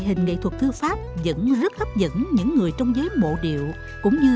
hình nghệ thuật thư pháp vẫn rất hấp dẫn những người trong giới mộ điệu và các loại hình nghệ thuật